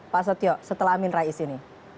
pak setio setelah amin rais ini